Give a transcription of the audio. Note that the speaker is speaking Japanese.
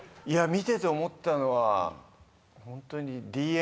見てて思ったのはホントに。